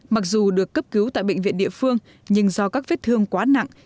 mặc dù được cấp cứu tại bệnh viện địa phương nhưng do các vết thương quá nặng